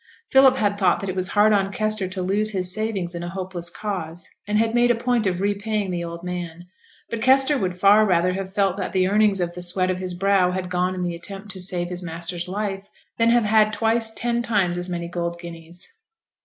Philip had thought that it was hard on Kester to lose his savings in a hopeless cause, and had made a point of repaying the old man; but Kester would far rather have felt that the earnings of the sweat of his brow had gone in the attempt to save his master's life than have had twice ten times as many golden guineas.